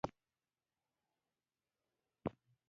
د پوهنتون درسونه د راتلونکي لپاره لار جوړوي.